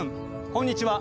こんにちは。